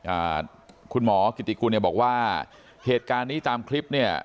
อ่าคุณหมอกิติกุลเนี่ยบอกว่าเหตุการณ์นี้ตามคลิปเนี่ย